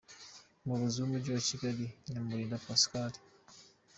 Umuyobozi w’umujyi wa Kigal, Nyamurinda Pascal.